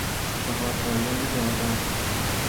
چهارپایان باربر